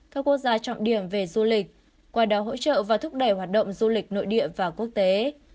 các quốc gia trọng điểm về du lịch qua đó hỗ trợ và thúc đẩy hoạt động du lịch nội địa và quốc tế